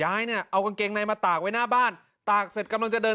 เดินลุกออกมาตรงนู้นเขาก็ยืนอยู่ตรงนู้น